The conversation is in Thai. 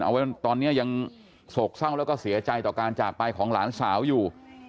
ว่าตอนนี้ยังโศกเศร้าแล้วก็เสียใจต่อการจากไปของหลานสาวอยู่